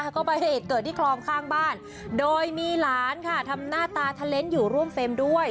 ก็ไปเหตุเกิดที่คลองข้างบ้านโดยมีหลานค่ะทำหน้าตาทะเลนส์อยู่ร่วมเฟรมด้วย